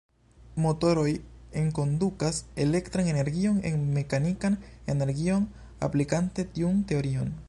Motoroj enkondukas elektran energion en mekanikan energion aplikante tiun teorion.